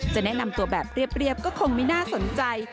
แนะนำตัวแบบเรียบก็คงไม่น่าสนใจ